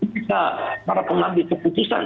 kita para pengambil keputusan